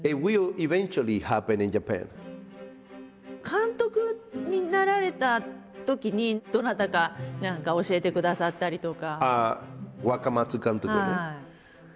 監督になられたときにどなたか教えてくださったりとか。